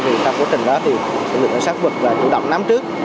thì trong quá trình đó thì lực lượng xác vực chủ động nắm trước